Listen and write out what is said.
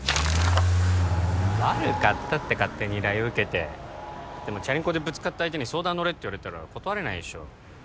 悪かったって勝手に依頼を受けてでもチャリンコでぶつかった相手に「相談乗れ」って言われたら断れないでしょ